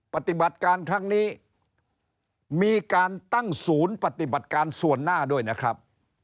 ปฏิบัติการครั้งนี้มีการตั้งศูนย์ปฏิบัติการส่วนหน้าด้วยนะครับ